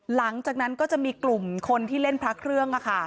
หลังจากนั้นก็จะมีกลุ่มคนที่เล่นพระเครื่อง